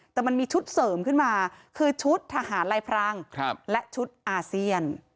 แต่มันมีชุดเสริมขึ้นมาคือชุดทหารลายพรางและชุดอาเซียน